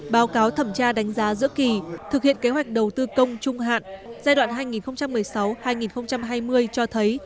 báo cáo thẩm tra đánh giá giữa kỳ thực hiện kế hoạch đầu tư công trung hạn giai đoạn hai nghìn một mươi sáu hai nghìn hai mươi cho thấy